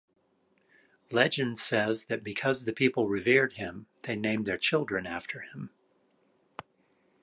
Legend says that because the people revered him, they named their children after him.